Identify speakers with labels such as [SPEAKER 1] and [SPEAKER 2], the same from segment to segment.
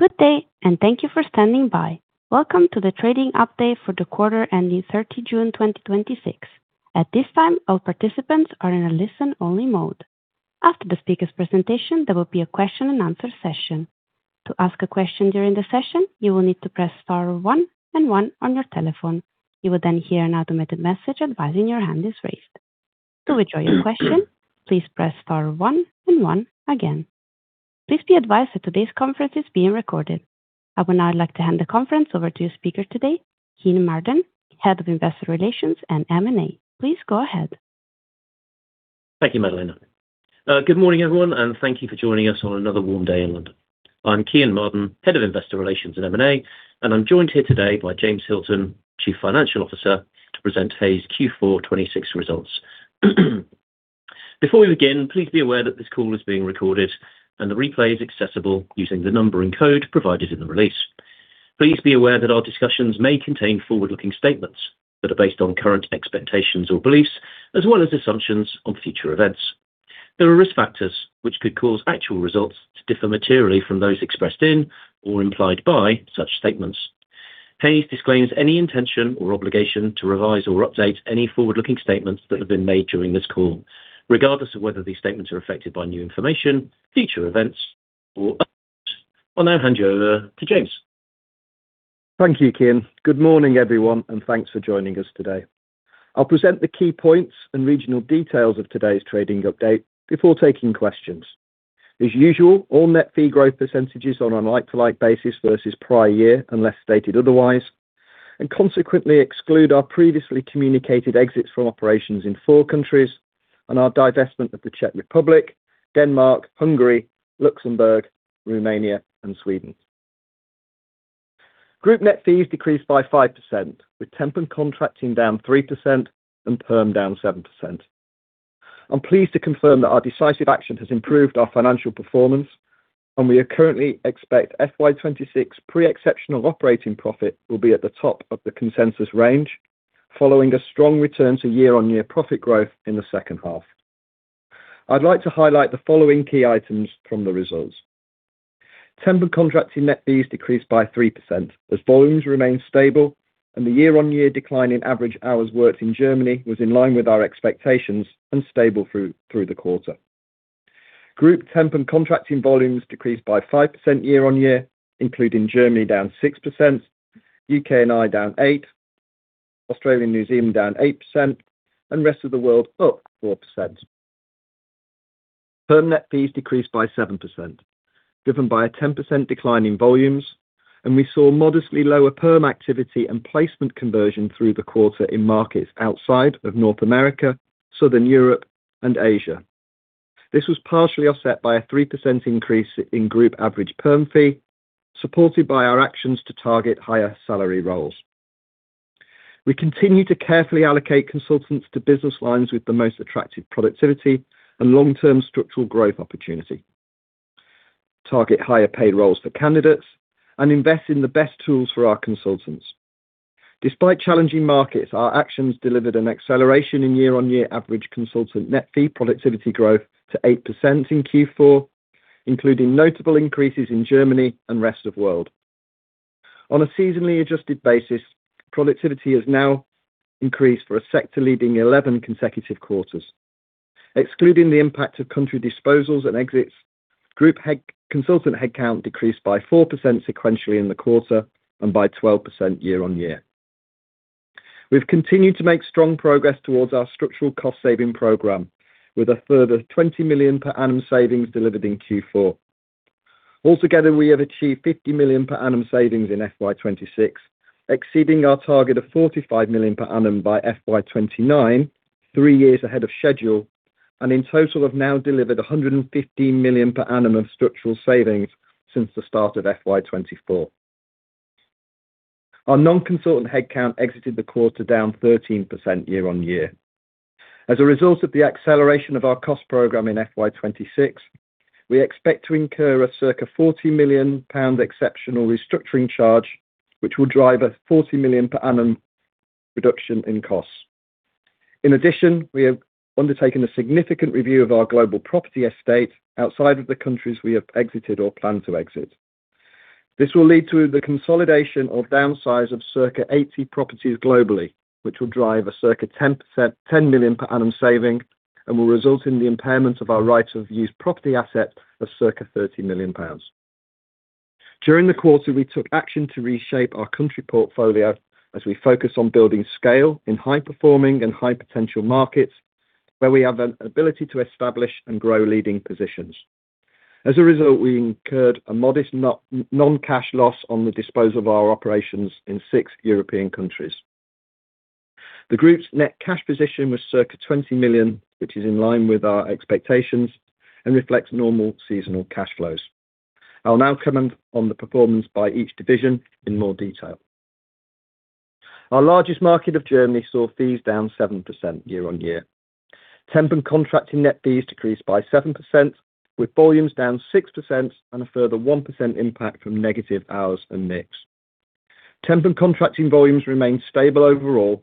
[SPEAKER 1] Good day, thank you for standing by. Welcome to the trading update for the quarter ending 30 June 2026. At this time, all participants are in a listen-only mode. After the speaker's presentation, there will be a question and answer session. To ask a question during the session, you will need to press star one and one on your telephone. You will hear an automated message advising your hand is raised. To withdraw your question, please press star one and one again. Please be advised that today's conference is being recorded. I would now like to hand the conference over to your speaker today, Kean Marden, Head of Investor Relations and M&A. Please go ahead.
[SPEAKER 2] Thank you, Madalena. Good morning, everyone, thank you for joining us on another warm day in London. I'm Kean Marden, Head of Investor Relations and M&A. I'm joined here today by James Hilton, Chief Financial Officer, to present Hays' Q4 2026 results. Before we begin, please be aware that this call is being recorded. The replay is accessible using the number and code provided in the release. Please be aware that our discussions may contain forward-looking statements that are based on current expectations or beliefs, as well as assumptions on future events. There are risk factors which could cause actual results to differ materially from those expressed in or implied by such statements. Hays disclaims any intention or obligation to revise or update any forward-looking statements that have been made during this call, regardless of whether these statements are affected by new information, future events or unknowns. I'll now hand you over to James.
[SPEAKER 3] Thank you, Kean. Good morning, everyone, thanks for joining us today. I'll present the key points and regional details of today's trading update before taking questions. As usual, all net fee growth percentages are on a like-for-like basis versus prior year, unless stated otherwise. Consequently, exclude our previously communicated exits from operations in four countries and our divestment of the Czech Republic, Denmark, Hungary, Luxembourg, Romania and Sweden. Group net fees decreased by 5%, with Temp & Contracting down 3% and Perm down 7%. I'm pleased to confirm that our decisive action has improved our financial performance. We currently expect FY 2026 pre-exceptional operating profit will be at the top of the consensus range, following a strong return to year-on-year profit growth in the second half. I'd like to highlight the following key items from the results. Temp & Contracting net fees decreased by 3%, as volumes remained stable and the year-on-year decline in average hours worked in Germany was in line with our expectations and stable through the quarter. Group Temp & Contracting volumes decreased by 5% year-on-year, including Germany down 6%, U.K. & I down 8%, ANZ down 8%, and rest of the world up 4%. Perm net fees decreased by 7%, driven by a 10% decline in volumes. We saw modestly lower Perm activity and placement conversion through the quarter in markets outside of North America, Southern Europe and Asia. This was partially offset by a 3% increase in group average Perm fee, supported by our actions to target higher salary roles. We continue to carefully allocate consultants to business lines with the most attractive productivity and long-term structural growth opportunity, target higher paid roles for candidates, and invest in the best tools for our consultants. Despite challenging markets, our actions delivered an acceleration in year-on-year average consultant net fee productivity growth to 8% in Q4, including notable increases in Germany and rest of world. On a seasonally adjusted basis, productivity has now increased for a sector leading 11 consecutive quarters. Excluding the impact of country disposals and exits, group consultant headcount decreased by 4% sequentially in the quarter and by 12% year-on-year. We've continued to make strong progress towards our structural cost saving program, with a further 20 million per annum savings delivered in Q4. Altogether, we have achieved 50 million per annum savings in FY 2026, exceeding our target of 45 million per annum by FY 2029, three years ahead of schedule. In total, we have now delivered 115 million per annum of structural savings since the start of FY 2024. Our non-consultant headcount exited the quarter down 13% year-on-year. As a result of the acceleration of our cost program in FY 2026, we expect to incur a circa 40 million pound exceptional restructuring charge, which will drive a 40 million per annum reduction in costs. In addition, we have undertaken a significant review of our global property estate outside of the countries we have exited or plan to exit. This will lead to the consolidation or downsize of circa 80 properties globally, which will drive a circa 10 million per annum saving and will result in the impairment of our right-of-use property asset of circa 30 million pounds. During the quarter, we took action to reshape our country portfolio as we focus on building scale in high-performing and high-potential markets where we have an ability to establish and grow leading positions. As a result, we incurred a modest non-cash loss on the disposal of our operations in six European countries. The group's net cash position was circa 20 million, which is in line with our expectations and reflects normal seasonal cash flows. I'll now comment on the performance by each division in more detail. Our largest market of Germany saw fees down 7% year-on-year. Temp and contracting net fees decreased by 7%, with volumes down 6% and a further 1% impact from negative hours and mix. Temp and contracting volumes remained stable overall,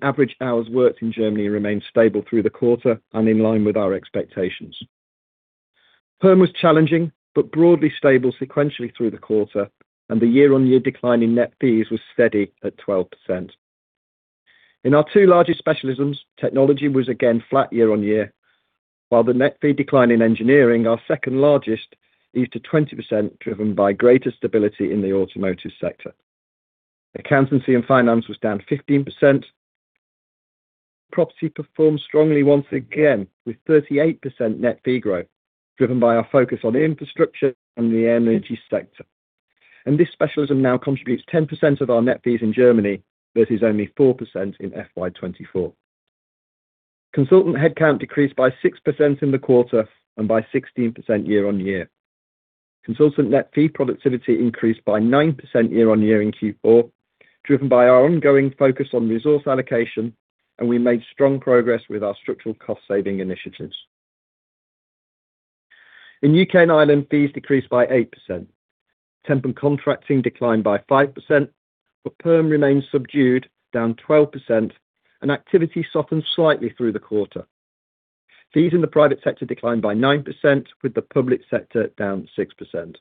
[SPEAKER 3] average hours worked in Germany remained stable through the quarter and in line with our expectations. Perm was challenging, but broadly stable sequentially through the quarter, and the year-on-year decline in net fees was steady at 12%. In our two largest specialisms, Technology was again flat year-on-year, while the net fee decline in Engineering, our second largest, eased to 20%, driven by greater stability in the automotive sector. Accountancy & Finance was down 15%. Property performed strongly once again, with 38% net fee growth, driven by our focus on infrastructure and the energy sector. This specialism now contributes 10% of our net fees in Germany versus only 4% in FY 2024. Consultant headcount decreased by 6% in the quarter and by 16% year-on-year. Consultant net fee productivity increased by 9% year-on-year in Q4, driven by our ongoing focus on resource allocation, and we made strong progress with our structural cost-saving initiatives. In U.K. and Ireland, fees decreased by 8%. Temp and contracting declined by 5%, but Perm remains subdued, down 12%, and activity softened slightly through the quarter. Fees in the private sector declined by 9%, with the public sector down 6%.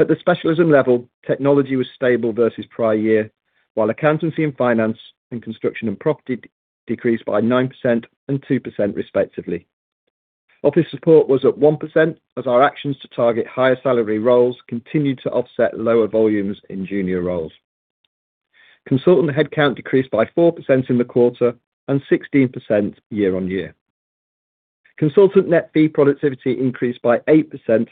[SPEAKER 3] At the specialism level, Technology was stable versus prior year, while Accountancy & Finance and Construction & Property decreased by 9% and 2% respectively. Office Support was at 1% as our actions to target higher salary roles continued to offset lower volumes in junior roles. Consultant headcount decreased by 4% in the quarter and 16% year-on-year. Consultant net fee productivity increased by 8%.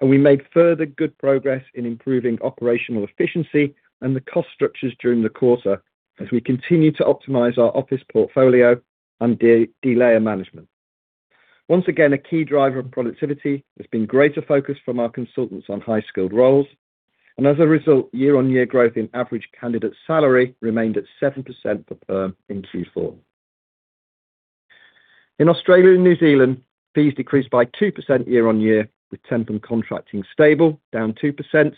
[SPEAKER 3] We made further good progress in improving operational efficiency and the cost structures during the quarter as we continue to optimize our office portfolio and de-layer management. Once again, a key driver of productivity has been greater focus from our consultants on high-skilled roles, and as a result, year-on-year growth in average candidate salary remained at 7% for Perm in Q4. In Australia and New Zealand, fees decreased by 2% year-on-year, with Temp & Contracting stable, down 2%,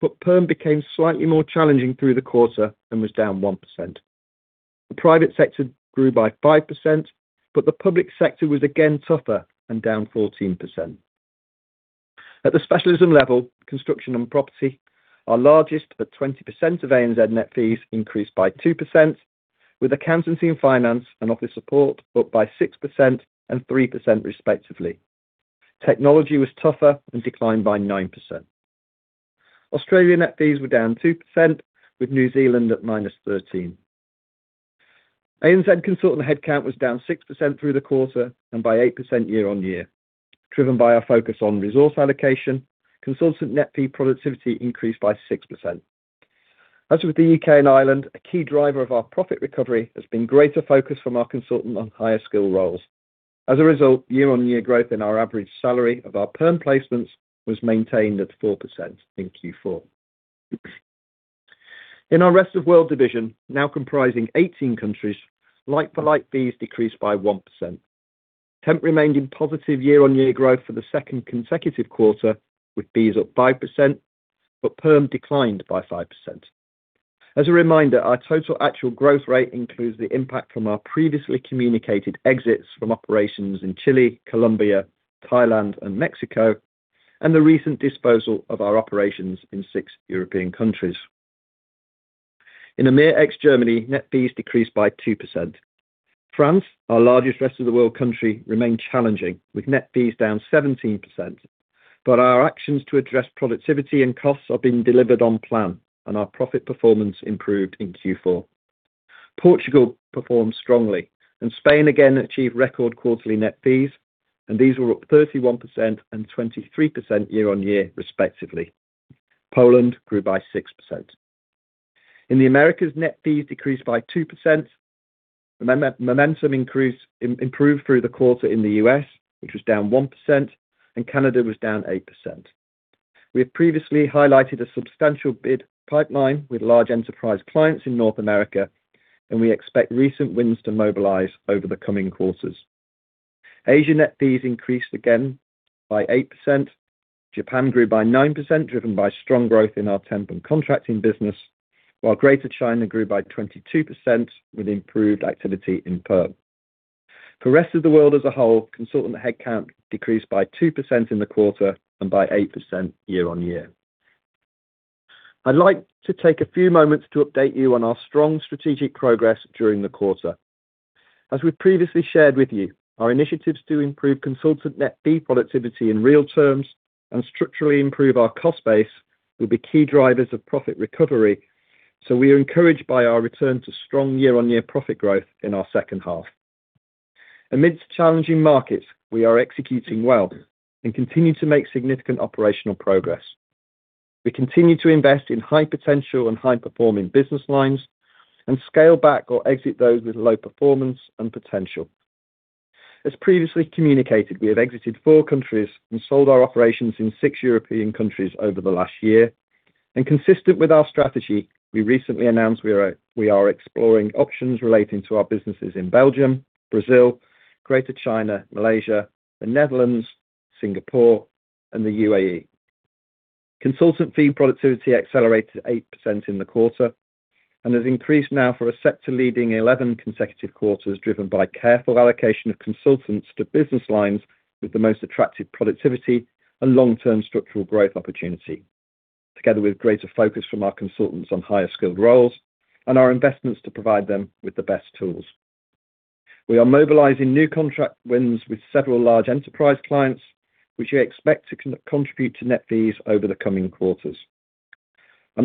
[SPEAKER 3] but Perm became slightly more challenging through the quarter and was down 1%. The private sector grew by 5%, but the public sector was again tougher and down 14%. At the specialism level, Construction & Property, our largest at 20% of ANZ net fees, increased by 2%, with Accountancy & Finance and Office Support up by 6% and 3% respectively. Technology was tougher and declined by 9%. Australian net fees were down 2%, with New Zealand at -13%. ANZ consultant headcount was down 6% through the quarter and by 8% year-on-year. Driven by our focus on resource allocation, consultant net fee productivity increased by 6%. As with the U.K. and Ireland, a key driver of our profit recovery has been greater focus from our consultant on higher skill roles. As a result, year-on-year growth in our average salary of our Perm placements was maintained at 4% in Q4. In our rest of world division, now comprising 18 countries, like-for-like fees decreased by 1%. Temp remained in positive year-on-year growth for the second consecutive quarter with fees up 5%, but Perm declined by 5%. As a reminder, our total actual growth rate includes the impact from our previously communicated exits from operations in Chile, Colombia, Thailand and Mexico, and the recent disposal of our operations in six European countries. In EMEA ex Germany, net fees decreased by 2%. France, our largest rest of the world country, remained challenging, with net fees down 17%. Our actions to address productivity and costs are being delivered on plan, and our profit performance improved in Q4. Portugal performed strongly, and Spain again achieved record quarterly net fees, and these were up 31% and 23% year-on-year respectively. Poland grew by 6%. In the Americas, net fees decreased by 2%. Momentum improved through the quarter in the U.S., which was down 1%, and Canada was down 8%. We have previously highlighted a substantial bid pipeline with large enterprise clients in North America, and we expect recent wins to mobilize over the coming quarters. Asia net fees increased again by 8%. Japan grew by 9%, driven by strong growth in our Temp & Contracting business, while Greater China grew by 22% with improved activity in Perm. For rest of the world as a whole, consultant headcount decreased by 2% in the quarter and by 8% year-on-year. I'd like to take a few moments to update you on our strong strategic progress during the quarter. As we've previously shared with you, our initiatives to improve consultant net fee productivity in real terms and structurally improve our cost base will be key drivers of profit recovery. We are encouraged by our return to strong year-on-year profit growth in our second half. Amidst challenging markets, we are executing well and continue to make significant operational progress. We continue to invest in high-potential and high-performing business lines and scale back or exit those with low performance and potential. As previously communicated, we have exited four countries and sold our operations in six European countries over the last year. Consistent with our strategy, we recently announced we are exploring options relating to our businesses in Belgium, Brazil, Greater China, Malaysia, the Netherlands, Singapore, and the U.A.E. Consultant fee productivity accelerated 8% in the quarter, and has increased now for a sector-leading 11 consecutive quarters, driven by careful allocation of consultants to business lines with the most attractive productivity and long-term structural growth opportunity, together with greater focus from our consultants on higher skilled roles and our investments to provide them with the best tools. We are mobilizing new contract wins with several large enterprise clients, which we expect to contribute to net fees over the coming quarters.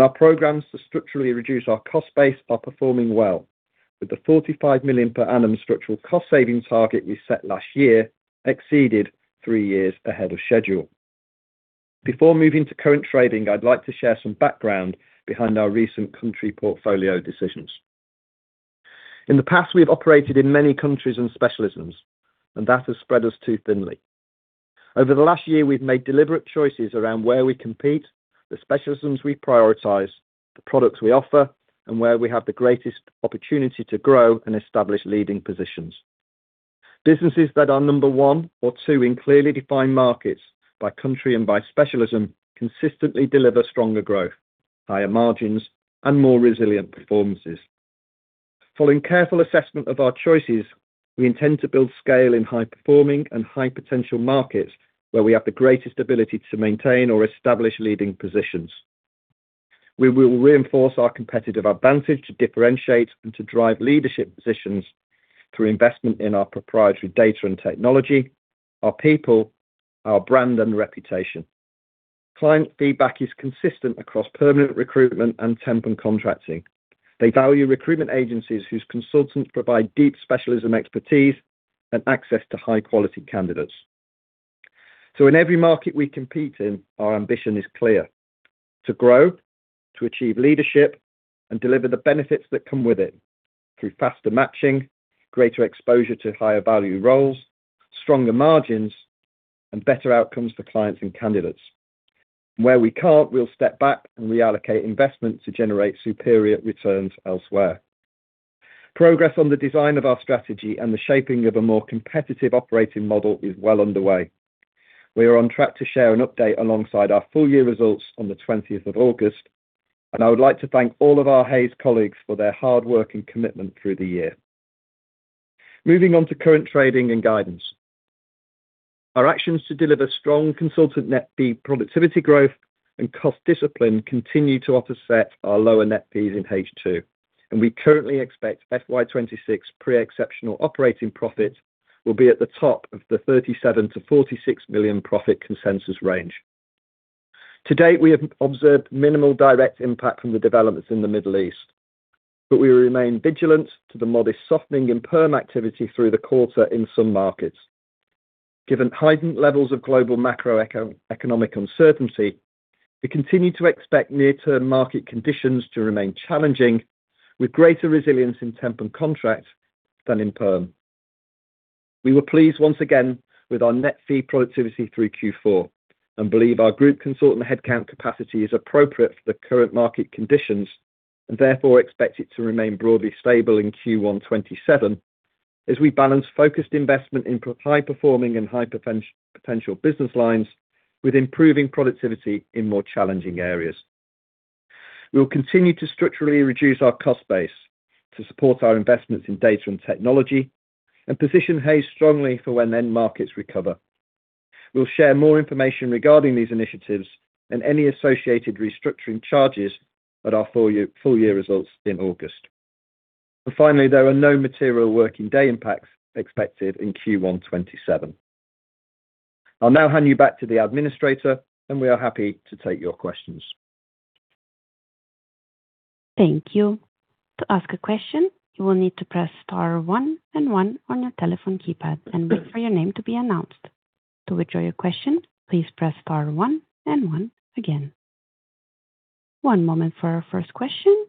[SPEAKER 3] Our programs to structurally reduce our cost base are performing well, with the 45 million per annum structural cost-saving target we set last year exceeded three years ahead of schedule. Before moving to current trading, I'd like to share some background behind our recent country portfolio decisions. In the past, we've operated in many countries and specialisms, and that has spread us too thinly. Over the last year, we've made deliberate choices around where we compete, the specialisms we prioritize, the products we offer, and where we have the greatest opportunity to grow and establish leading positions. Businesses that are number one or two in clearly defined markets by country and by specialism consistently deliver stronger growth, higher margins, and more resilient performances. Following careful assessment of our choices, we intend to build scale in high-performing and high-potential markets where we have the greatest ability to maintain or establish leading positions. We will reinforce our competitive advantage to differentiate and to drive leadership positions through investment in our proprietary data and technology, our people, our brand and reputation. Client feedback is consistent across permanent recruitment and Temp & Contracting. They value recruitment agencies whose consultants provide deep specialism expertise and access to high-quality candidates. In every market we compete in, our ambition is clear: to grow, to achieve leadership, and deliver the benefits that come with it through faster matching, greater exposure to higher value roles, stronger margins, and better outcomes for clients and candidates. Where we can't, we'll step back and reallocate investment to generate superior returns elsewhere. Progress on the design of our strategy and the shaping of a more competitive operating model is well underway. We are on track to share an update alongside our full year results on the 20th of August. I would like to thank all of our Hays colleagues for their hard work and commitment through the year. Moving on to current trading and guidance. Our actions to deliver strong consultant net fee productivity growth and cost discipline continue to offset our lower net fees in H2. We currently expect FY 2026 pre-exceptional operating profit will be at the top of the 37 million-46 million profit consensus range. To date, we have observed minimal direct impact from the developments in the Middle East, we remain vigilant to the modest softening in Perm activity through the quarter in some markets. Given heightened levels of global macroeconomic uncertainty, we continue to expect near-term market conditions to remain challenging, with greater resilience in Temp & Contract than in Perm. We were pleased once again with our net fee productivity through Q4. We believe our group consultant headcount capacity is appropriate for the current market conditions, therefore expect it to remain broadly stable in Q1 2027 as we balance focused investment in high-performing and high-potential business lines with improving productivity in more challenging areas. We will continue to structurally reduce our cost base to support our investments in data and technology, position Hays strongly for when end markets recover. We'll share more information regarding these initiatives, any associated restructuring charges at our full year results in August. Finally, there are no material working day impacts expected in Q1 2027. I'll now hand you back to the administrator, we are happy to take your questions.
[SPEAKER 1] Thank you. To ask a question, you will need to press star one and one on your telephone keypad and wait for your name to be announced. To withdraw your question, please press star one and one again. One moment for our first question.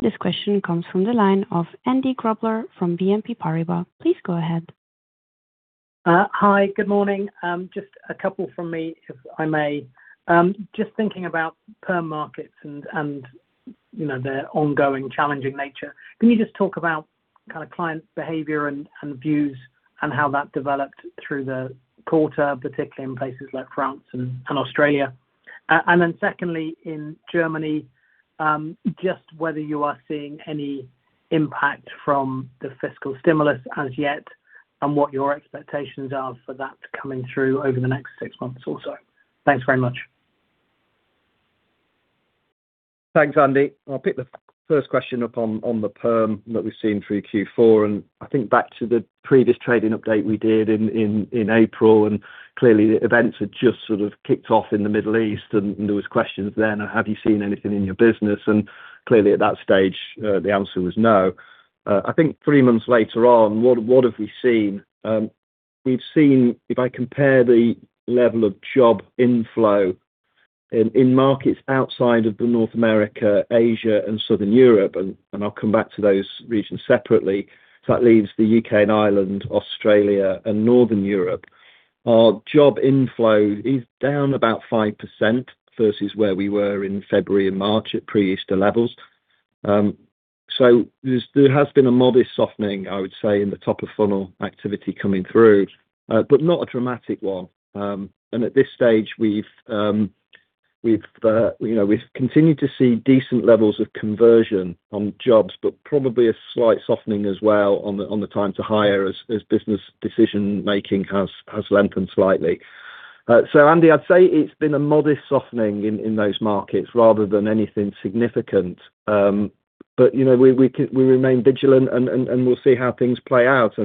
[SPEAKER 1] This question comes from the line of Andy Grobler from BNP Paribas. Please go ahead.
[SPEAKER 4] Hi. Good morning. Just a couple from me, if I may. Just thinking about perm markets and their ongoing challenging nature, can you just talk about kind of client behavior and views and how that developed through the quarter, particularly in places like France and Australia? Secondly, in Germany, just whether you are seeing any impact from the fiscal stimulus as yet and what your expectations are for that coming through over the next six months or so. Thanks very much.
[SPEAKER 3] Thanks, Andy. I'll pick the first question up on the perm that we've seen through Q4. I think back to the previous trading update we did in April. Clearly events had just sort of kicked off in the Middle East and there was questions then of have you seen anything in your business? Clearly at that stage, the answer was no. I think three months later on, what have we seen? We've seen, if I compare the level of job inflow in markets outside of the North America, Asia and Southern Europe, I'll come back to those regions separately. That leaves the UK and Ireland, Australia and Northern Europe. Our job inflow is down about 5% versus where we were in February and March at pre-Easter levels. There has been a modest softening, I would say, in the top-of-funnel activity coming through, but not a dramatic one. At this stage we've continued to see decent levels of conversion on jobs, but probably a slight softening as well on the time to hire as business decision-making has lengthened slightly. Andy, I'd say it's been a modest softening in those markets rather than anything significant. We remain vigilant and we'll see how things play out.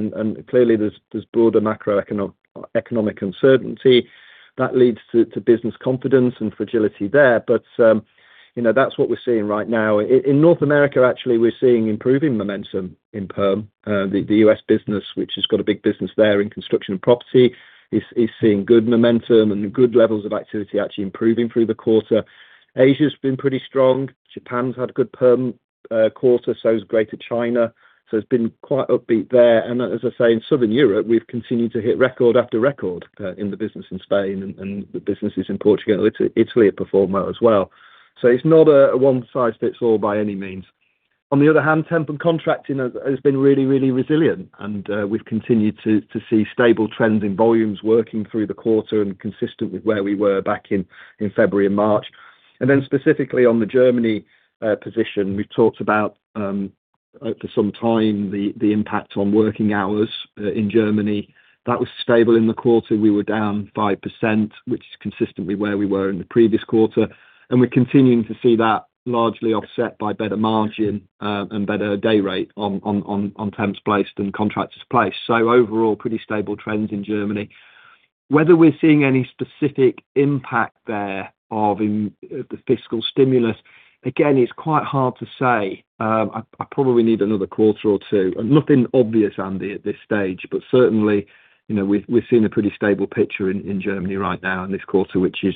[SPEAKER 3] Clearly there's broader macroeconomic uncertainty that leads to business confidence and fragility there. That's what we're seeing right now. In North America, actually, we're seeing improving momentum in perm. The U.S. business, which has got a big business there in Construction & Property, is seeing good momentum and good levels of activity actually improving through the quarter. Asia's been pretty strong. Japan's had a good Perm quarter, so has Greater China. It's been quite upbeat there. As I say, in Southern Europe, we've continued to hit record after record in the business in Spain and the businesses in Portugal and Italy have performed well as well. It's not a one-size-fits-all by any means. On the other hand, Temp & Contracting has been really, really resilient. We've continued to see stable trends in volumes working through the quarter and consistent with where we were back in February and March. Specifically on the Germany position, we've talked about, for some time, the impact on working hours in Germany. That was stable in the quarter. We were down 5%, which is consistently where we were in the previous quarter. We're continuing to see that largely offset by better margin and better day rate on temps placed and contractors placed. Overall, pretty stable trends in Germany. Whether we're seeing any specific impact there of the fiscal stimulus, again, it's quite hard to say. I probably need another quarter or two. Nothing obvious, Andy, at this stage. Certainly, we're seeing a pretty stable picture in Germany right now in this quarter, which is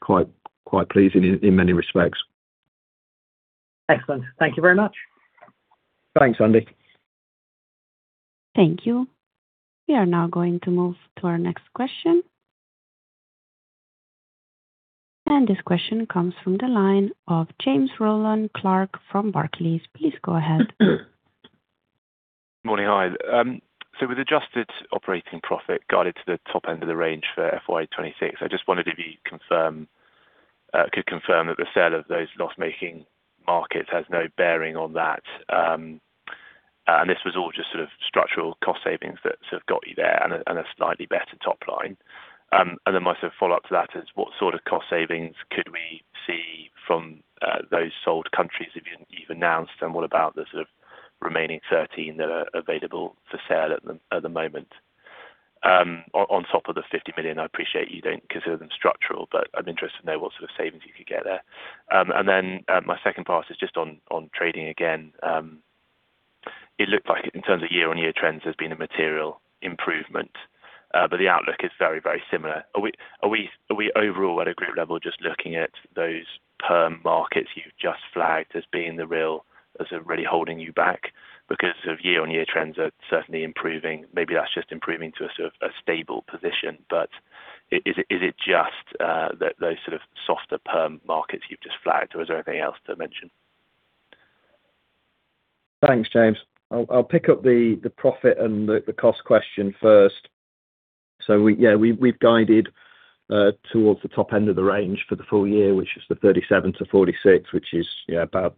[SPEAKER 3] quite pleasing in many respects.
[SPEAKER 4] Excellent. Thank you very much.
[SPEAKER 3] Thanks, Andy.
[SPEAKER 1] Thank you. We are now going to move to our next question. This question comes from the line of James Rowland Clark from Barclays. Please go ahead.
[SPEAKER 5] Morning. Hi. With adjusted operating profit guided to the top end of the range for FY 2026, I just wanted to confirm that the sale of those loss-making markets has no bearing on that. This was all just sort of structural cost savings that sort of got you there and a slightly better top line. My sort of follow-up to that is what sort of cost savings could we see from those sold countries if you've announced, and what about the sort of remaining 13 that are available for sale at the moment on top of the 50 million? I appreciate you don't consider them structural, but I'm interested to know what sort of savings you could get there. My second part is just on trading again. It looked like in terms of year-on-year trends, there's been a material improvement. The outlook is very, very similar. Are we overall at a group level just looking at those Perm markets you've just flagged as being That are really holding you back because of year-on-year trends are certainly improving. Maybe that's just improving to a sort of a stable position. Is it just those sort of softer Perm markets you've just flagged, or is there anything else to mention?
[SPEAKER 3] Thanks, James. I'll pick up the profit and the cost question first. Yeah, we've guided towards the top end of the range for the full year, which is the 37-46.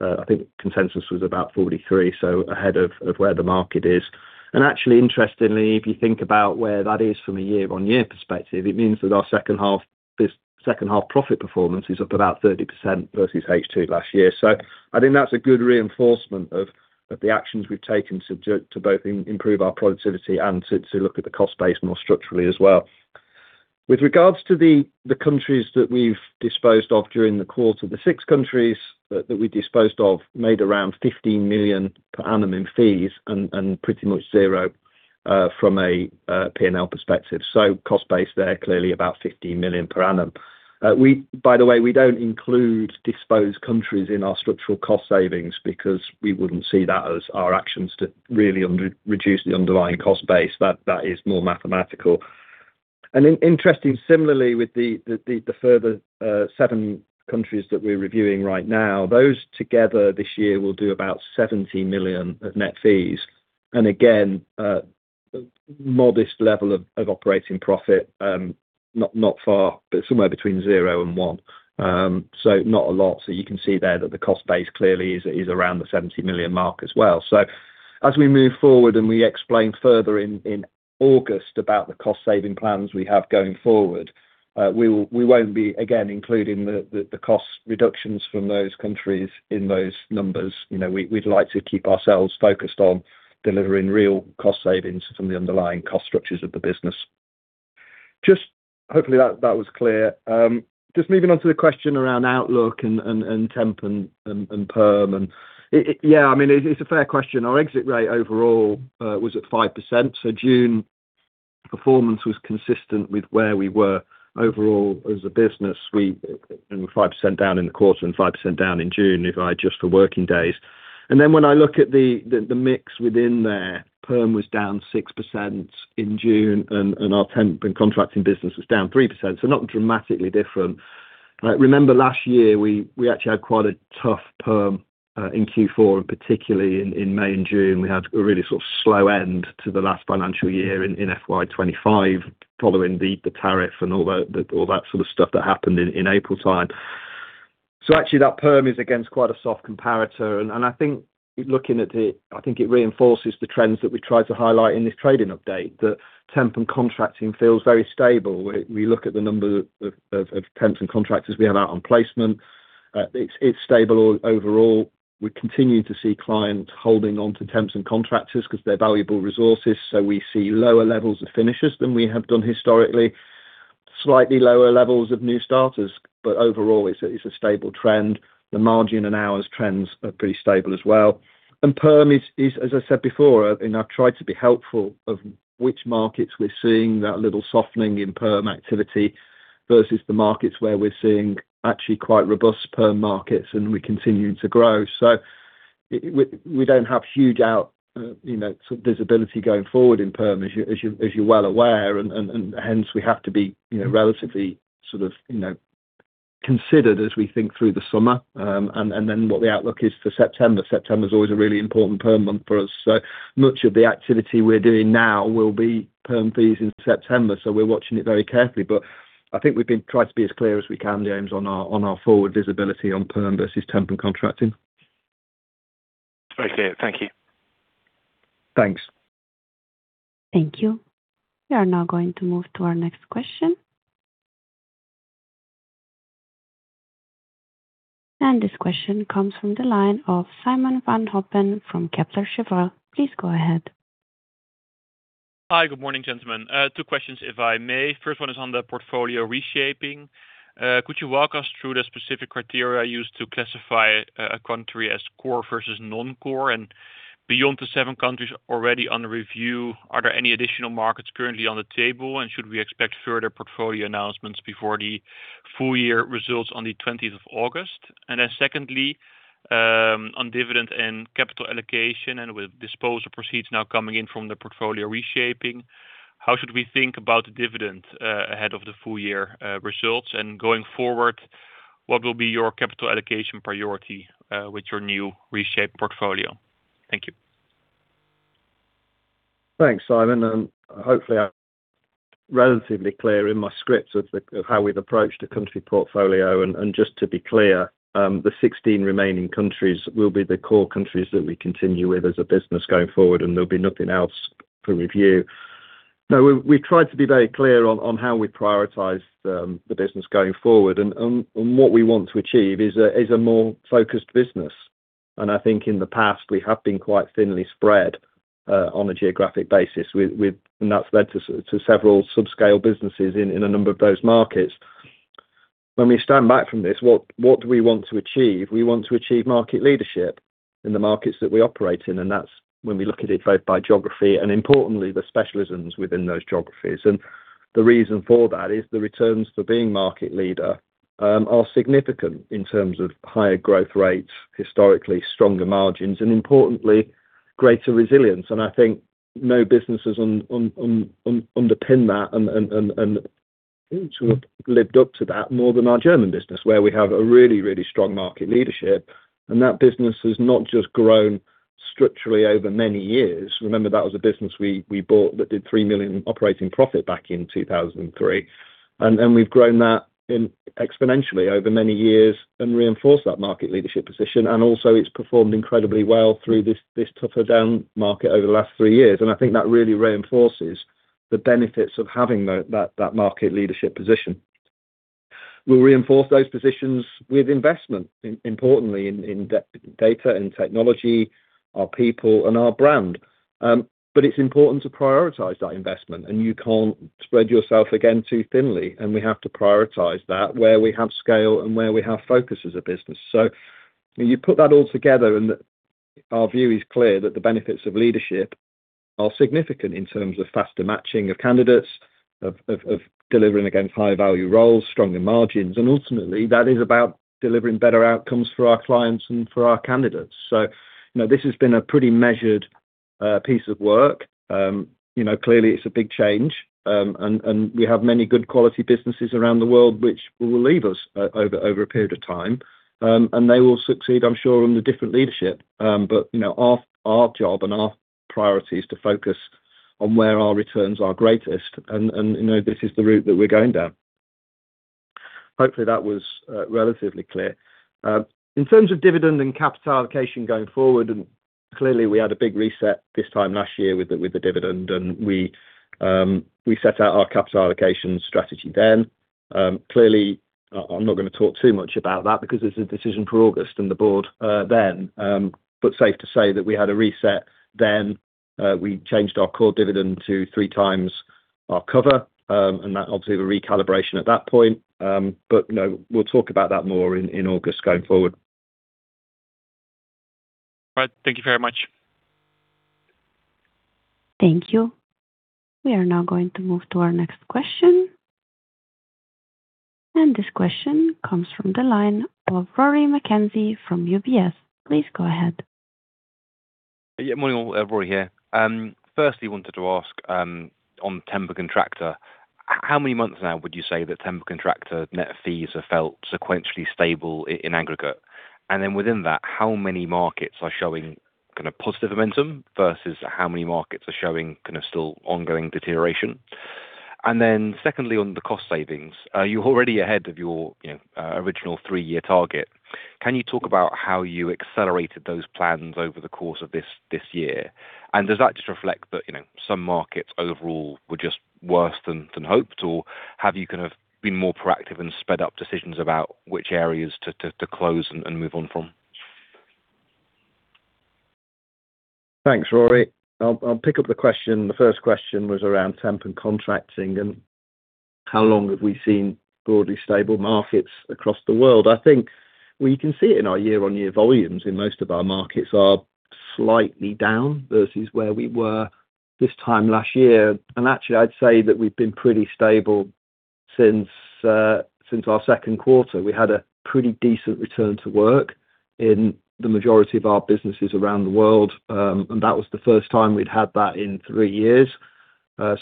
[SPEAKER 3] I think consensus was about 43, so ahead of where the market is. Actually, interestingly, if you think about where that is from a year-on-year perspective, it means that this second half profit performance is up about 30% versus H2 last year. I think that's a good reinforcement of the actions we've taken to both improve our productivity and to look at the cost base more structurally as well. With regards to the countries that we've disposed of during the quarter, the six countries that we disposed of made around 15 million per annum in fees and pretty much zero from a P&L perspective. Cost base there clearly about 15 million per annum. By the way, we don't include disposed countries in our structural cost savings because we wouldn't see that as our actions to really reduce the underlying cost base, that is more mathematical. Interesting similarly with the further seven countries that we're reviewing right now, those together this year will do about 70 million of net fees. Again, a modest level of operating profit, not far, but somewhere between zero and one. Not a lot. You can see there that the cost base clearly is around the 70 million mark as well. As we move forward and we explain further in August about the cost-saving plans we have going forward, we won't be, again, including the cost reductions from those countries in those numbers. We'd like to keep ourselves focused on delivering real cost savings from the underlying cost structures of the business. Hopefully that was clear. Just moving on to the question around outlook and temp and perm. It's a fair question. Our exit rate overall was at 5%. June performance was consistent with where we were overall as a business. We were 5% down in the quarter and 5% down in June if I adjust for working days. Then when I look at the mix within there, Perm was down 6% in June, and our Temp & Contracting business was down 3%. Not dramatically different. Remember last year, we actually had quite a tough Perm in Q4, and particularly in May and June. We had a really sort of slow end to the last financial year in FY 2025, following the tariff and all that sort of stuff that happened in April time. Actually that Perm is against quite a soft comparator, and I think looking at it, I think it reinforces the trends that we tried to highlight in this trading update, that Temp & Contracting feels very stable. We look at the number of temps and contractors we have out on placement. It's stable overall. We continue to see clients holding on to temps and contractors because they're valuable resources. We see lower levels of finishers than we have done historically. Slightly lower levels of new starters, but overall, it's a stable trend. The margin and hours trends are pretty stable as well. Perm is, as I said before, and I've tried to be helpful of which markets we're seeing that little softening in Perm activity versus the markets where we're seeing actually quite robust Perm markets and we continue to grow. We don't have huge visibility going forward in Perm, as you're well aware. Hence we have to be relatively considered as we think through the summer, and then what the outlook is for September. September's always a really important Perm month for us. Much of the activity we're doing now will be Perm fees in September. We're watching it very carefully, but I think we've been trying to be as clear as we can, James, on our forward visibility on Perm versus Temp & Contracting.
[SPEAKER 5] Very clear. Thank you.
[SPEAKER 3] Thanks.
[SPEAKER 1] Thank you. We are now going to move to our next question. This question comes from the line of Simon Van Oppen from Kepler Cheuvreux. Please go ahead.
[SPEAKER 6] Hi. Good morning, gentlemen. Two questions if I may. First one is on the portfolio reshaping. Could you walk us through the specific criteria used to classify a country as core versus non-core? Beyond the seven countries already on review, are there any additional markets currently on the table? Should we expect further portfolio announcements before the full year results on the 20th of August? Secondly, on dividend and capital allocation, with disposal proceeds now coming in from the portfolio reshaping, how should we think about the dividend ahead of the full year results? Going forward, what will be your capital allocation priority with your new reshaped portfolio? Thank you.
[SPEAKER 3] Thanks, Simon. Hopefully I'm relatively clear in my script of how we've approached the country portfolio. Just to be clear, the 16 remaining countries will be the core countries that we continue with as a business going forward, there'll be nothing else for review. We tried to be very clear on how we prioritize the business going forward, what we want to achieve is a more focused business. I think in the past we have been quite thinly spread on a geographic basis, that's led to several subscale businesses in a number of those markets. When we stand back from this, what do we want to achieve? We want to achieve market leadership in the markets that we operate in, importantly, the specialisms within those geographies. The reason for that is the returns for being market leader are significant in terms of higher growth rates, historically stronger margins, and importantly, greater resilience. I think no businesses underpin that and sort of lived up to that more than our German business, where we have a really, really strong market leadership. That business has not just grown structurally over many years. Remember, that was a business we bought that did 3 million in operating profit back in 2003. We've grown that exponentially over many years and reinforced that market leadership position. Also it's performed incredibly well through this tougher down market over the last three years. I think that really reinforces the benefits of having that market leadership position. We'll reinforce those positions with investment, importantly in data and technology, our people, and our brand. It's important to prioritize that investment, and you can't spread yourself again too thinly. We have to prioritize that where we have scale and where we have focus as a business. When you put that all together, our view is clear that the benefits of leadership are significant in terms of faster matching of candidates, of delivering against high-value roles, stronger margins, and ultimately, that is about delivering better outcomes for our clients and for our candidates. This has been a pretty measured piece of work. Clearly, it's a big change. We have many good quality businesses around the world which will leave us over a period of time. They will succeed, I'm sure, under different leadership. Our job and our priority is to focus on where our returns are greatest, and this is the route that we're going down. Hopefully, that was relatively clear. In terms of dividend and capital allocation going forward, clearly we had a big reset this time last year with the dividend, and we set out our capital allocation strategy then. Clearly, I'm not going to talk too much about that because it's a decision for August and the board then. Safe to say that we had a reset then. We changed our core dividend to three times our cover. That obviously was a recalibration at that point. We'll talk about that more in August going forward.
[SPEAKER 6] Right. Thank you very much.
[SPEAKER 1] Thank you. We are now going to move to our next question. This question comes from the line of Rory McKenzie from UBS. Please go ahead.
[SPEAKER 7] Morning all. Rory here. Firstly, wanted to ask on Temp & Contracting, how many months now would you say that Temp & Contracting net fees have felt sequentially stable in aggregate? Within that, how many markets are showing positive momentum versus how many markets are showing still ongoing deterioration? Secondly, on the cost savings, are you already ahead of your original three-year target? Can you talk about how you accelerated those plans over the course of this year? Does that just reflect that some markets overall were just worse than hoped, or have you kind of been more proactive and sped up decisions about which areas to close and move on from?
[SPEAKER 3] Thanks, Rory. I'll pick up the question. The first question was around Temp & Contracting, and how long have we seen broadly stable markets across the world. I think we can see it in our year-on-year volumes in most of our markets are slightly down versus where we were this time last year. Actually, I'd say that we've been pretty stable since our second quarter. We had a pretty decent return to work in the majority of our businesses around the world. That was the first time we'd had that in three years. Our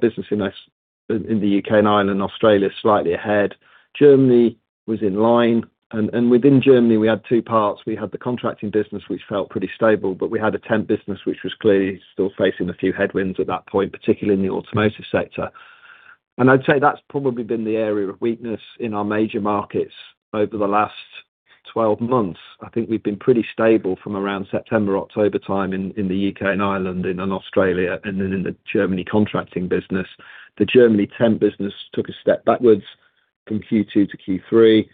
[SPEAKER 3] business in the UK and Ireland, Australia is slightly ahead. Germany was in line, and within Germany, we had two parts. We had the contracting business, which felt pretty stable, but we had a temp business, which was clearly still facing a few headwinds at that point, particularly in the automotive sector. I'd say that's probably been the area of weakness in our major markets over the last 12 months. I think we've been pretty stable from around September, October time in the UK and Ireland and Australia, and then in the Germany contracting business. The Germany temp business took a step backwards from Q2 to Q3.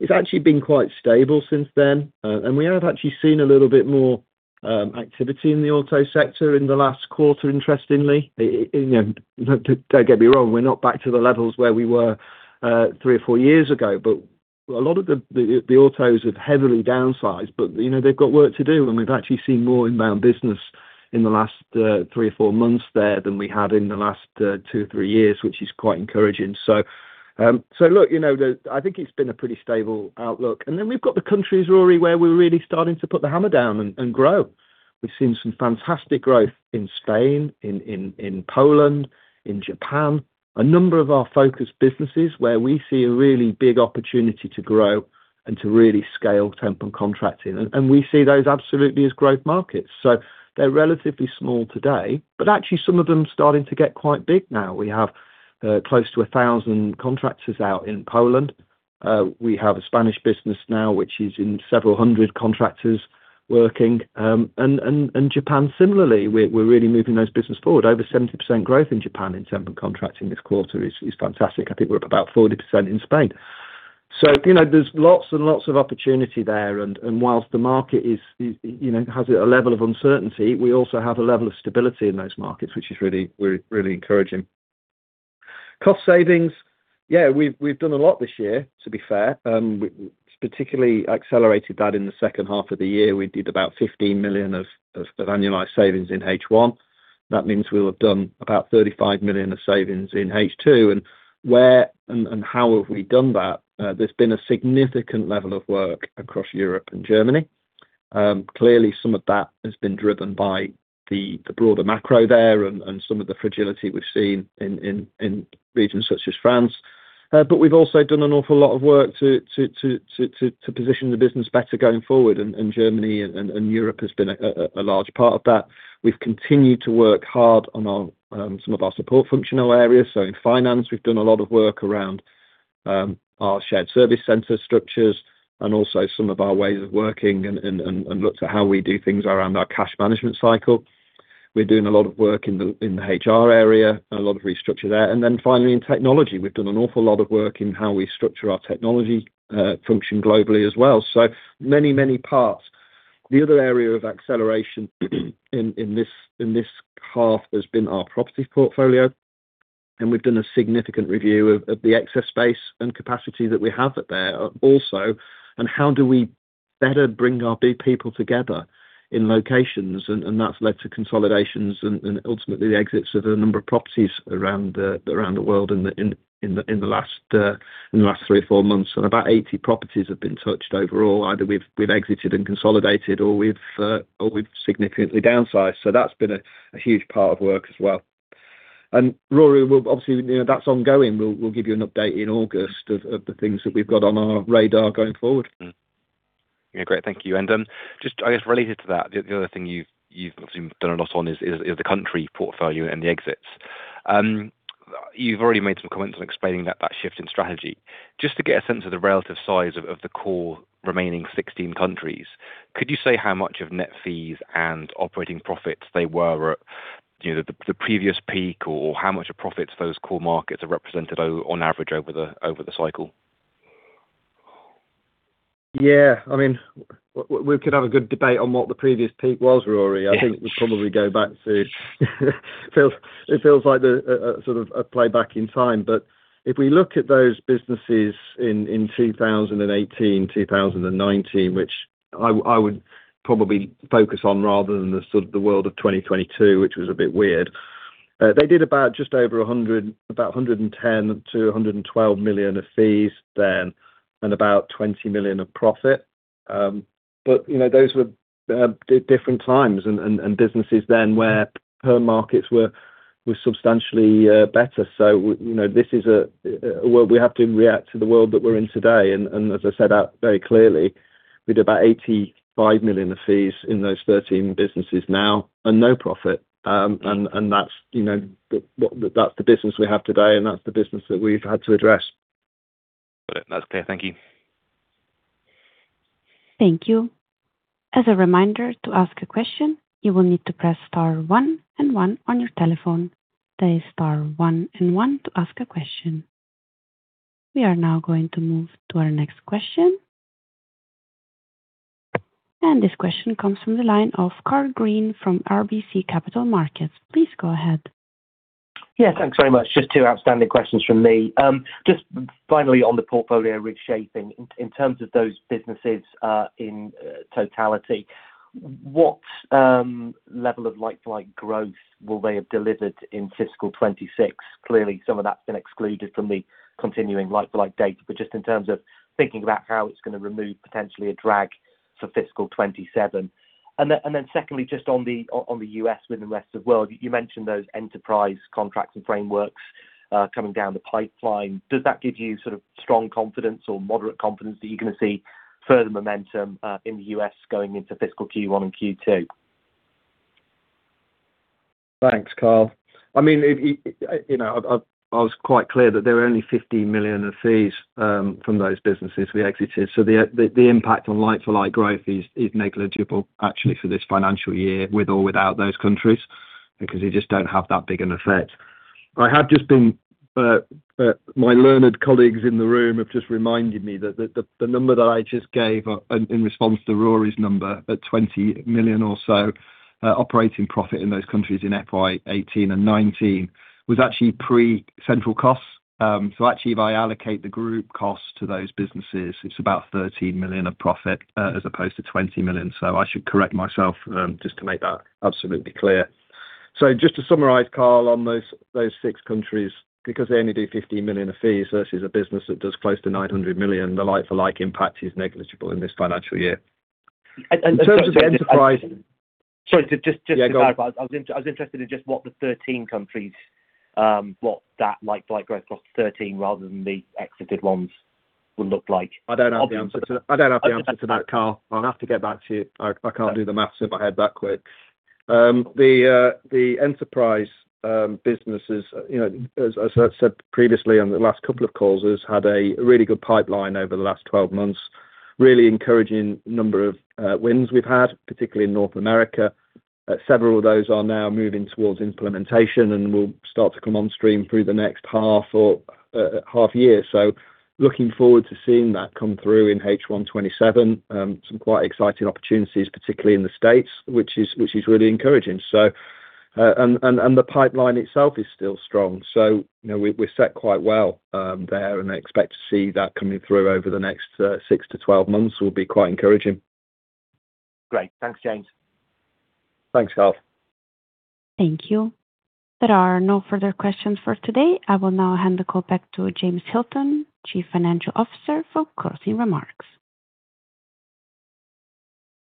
[SPEAKER 3] It's actually been quite stable since then. We have actually seen a little bit more activity in the auto sector in the last quarter, interestingly. Don't get me wrong, we're not back to the levels where we were three or four years ago, but a lot of the autos have heavily downsized. They've got work to do, and we've actually seen more inbound business in the last three or four months there than we had in the last two, three years, which is quite encouraging. Look, I think it's been a pretty stable outlook. We've got the countries, Rory, where we're really starting to put the hammer down and grow. We've seen some fantastic growth in Spain, in Poland, in Japan. A number of our focus businesses where we see a really big opportunity to grow and to really scale Temp & Contracting. We see those absolutely as growth markets. They're relatively small today, but actually some of them starting to get quite big now. We have close to 1,000 contractors out in Poland. We have a Spanish business now which is in several hundred contractors working. Japan similarly, we're really moving those businesses forward. Over 70% growth in Japan in Temp & Contracting this quarter is fantastic. I think we're up about 40% in Spain. There's lots and lots of opportunity there, and whilst the market has a level of uncertainty, we also have a level of stability in those markets, which is really encouraging. Cost savings. We've done a lot this year, to be fair. We particularly accelerated that in the second half of the year. We did about 15 million of annualized savings in H1. That means we'll have done about 35 million of savings in H2. Where and how have we done that? There's been a significant level of work across Europe and Germany. Clearly, some of that has been driven by the broader macro there and some of the fragility we've seen in regions such as France. We've also done an awful lot of work to position the business better going forward. Germany and Europe has been a large part of that. We've continued to work hard on some of our support functional areas. In Finance, we've done a lot of work around our shared service center structures and also some of our ways of working and looked at how we do things around our cash management cycle. We're doing a lot of work in the HR area, a lot of restructure there. Finally, in Technology, we've done an awful lot of work in how we structure our Technology function globally as well. Many, many parts. The other area of acceleration in this half has been our properties portfolio, and we've done a significant review of the excess space and capacity that we have there also, and how do we better bring our big people together in locations, and that's led to consolidations and ultimately the exits of a number of properties around the world in the last three or four months. About 80 properties have been touched overall. Either we've exited and consolidated or we've significantly downsized. That's been a huge part of work as well. Rory, obviously, that's ongoing. We'll give you an update in August of the things that we've got on our radar going forward.
[SPEAKER 7] Yeah, great. Thank you. Just, I guess, related to that, the other thing you've obviously done a lot on is the country portfolio and the exits. You've already made some comments on explaining that shift in strategy. Just to get a sense of the relative size of the core remaining 16 countries, could you say how much of net fees and operating profits they were at the previous peak, or how much of profits those core markets have represented on average over the cycle?
[SPEAKER 3] Yeah. We could have a good debate on what the previous peak was, Rory. I think we probably go back to it feels like a sort of a play back in time. If we look at those businesses in 2018, 2019, which I would probably focus on rather than the world of 2022, which was a bit weird. They did about just over 100 million, about 110 million to 112 million of fees then, and about 20 million of profit. Those were different times and businesses then where perm markets were substantially better. We have to react to the world that we're in today. As I set out very clearly, we did about GBP 85 million of fees in those 13 businesses now, and no profit. That's the business we have today, and that's the business that we've had to address.
[SPEAKER 7] Got it. That's clear. Thank you.
[SPEAKER 1] Thank you. As a reminder, to ask a question, you will need to press star one and one on your telephone. That is star one and one to ask a question. We are now going to move to our next question. This question comes from the line of Karl Green from RBC Capital Markets. Please go ahead.
[SPEAKER 8] Thanks very much. Just two outstanding questions from me. Just finally on the portfolio reshaping, in terms of those businesses, in totality, what level of like-for-like growth will they have delivered in FY 2026? Clearly, some of that's been excluded from the continuing like-for-like data. Just in terms of thinking about how it's going to remove potentially a drag for FY 2027. Secondly, just on the U.S. with the rest of world, you mentioned those enterprise contracts and frameworks coming down the pipeline. Does that give you sort of strong confidence or moderate confidence that you're going to see further momentum in the U.S. going into Q1 and Q2?
[SPEAKER 3] Thanks, Karl. I was quite clear that there are only 15 million of fees from those businesses we exited. The impact on like-for-like growth is negligible actually for this financial year, with or without those countries, because they just don't have that big an effect. My learned colleagues in the room have just reminded me that the number that I just gave in response to Rory's number, at 20 million or so operating profit in those countries in FY 2018 and 2019, was actually pre-central costs. Actually, if I allocate the group cost to those businesses, it's about 13 million of profit as opposed to 20 million. I should correct myself, just to make that absolutely clear. Just to summarize, Karl, on those six countries, because they only do 15 million of fees versus a business that does close to 900 million, the like-for-like impact is negligible in this financial year. In terms of the enterprise.
[SPEAKER 8] Sorry, just to clarify.
[SPEAKER 3] Yeah, go on.
[SPEAKER 8] I was interested in just what the 13 countries, what that like-for-like growth plus 13 rather than the exited ones would look like.
[SPEAKER 3] I don't have the answer to that, Karl. I'll have to get back to you. I can't do the math in my head that quick. The enterprise businesses, as I said previously on the last couple of calls, has had a really good pipeline over the last 12 months. Really encouraging number of wins we've had, particularly in North America. Several of those are now moving towards implementation and will start to come on stream through the next half or half year. Looking forward to seeing that come through in H1 27. Some quite exciting opportunities, particularly in the States, which is really encouraging. The pipeline itself is still strong, so we're set quite well there, and I expect to see that coming through over the next six to 12 months will be quite encouraging.
[SPEAKER 8] Great. Thanks, James.
[SPEAKER 3] Thanks, Karl.
[SPEAKER 1] Thank you. There are no further questions for today. I will now hand the call back to James Hilton, Chief Financial Officer, for closing remarks.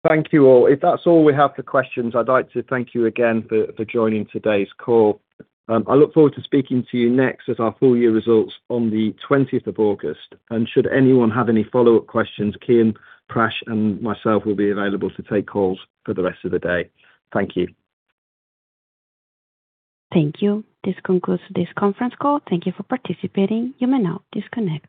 [SPEAKER 3] Thank you, all. If that's all we have for questions, I'd like to thank you again for joining today's call. I look forward to speaking to you next as our full year results on the 20th of August. Should anyone have any follow-up questions, Kean, Prash, and myself will be available to take calls for the rest of the day. Thank you.
[SPEAKER 1] Thank you. This concludes this conference call. Thank you for participating. You may now disconnect.